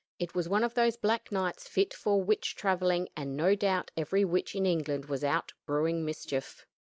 It was one of those black nights fit for witch traveling; and, no doubt, every witch in England was out brewing mischief.